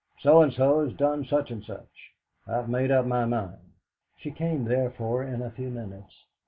So and so has done such and such.... I have made up my mind." She came, therefore, in a few minutes.